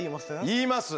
言います。